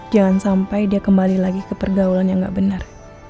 jangan sampai dia kembali lagi ke pergaulan yang nggak benar